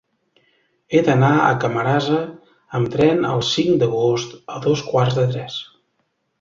He d'anar a Camarasa amb tren el cinc d'agost a dos quarts de tres.